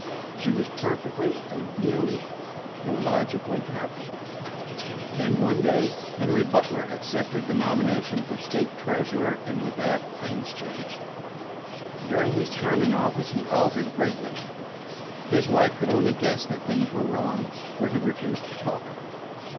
She was perfectly, ideally, illogically happy. Then one day Henry Butler accepted the nomination for state treasurer, and with that things changed. During his term in office he altered greatly; his wife could only guess that things were wrong, for he refused to talk.